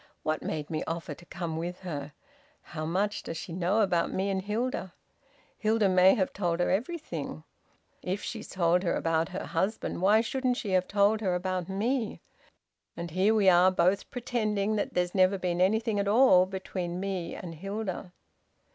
What made me offer to come with her? How much does she know about me and Hilda? Hilda may have told her everything. If she's told her about her husband why shouldn't she have told her about me? And here we are both pretending that there's never been anything at all between me and Hilda!"